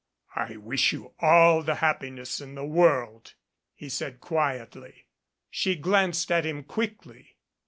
"I wish you all the happiness in the world," he said quietly. She glanced at him quickly.